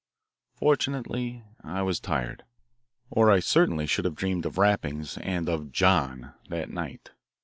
Fortunately I was tired, or I certainly should have dreamed of rappings and of "John" that night.